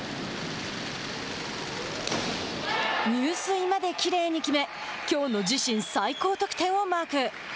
入水まできれいに決めきょうの自身最高得点をマーク。